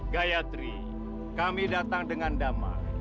gayatri kami datang dengan damai